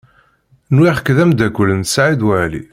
Nwiɣ-k d amdakel n Saɛid Waɛli.